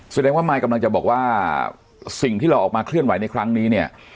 แสดงว่ามายกำลังจะบอกว่าสิ่งที่เราออกมาเคลื่อนไหวในครั้งนี้เนี่ย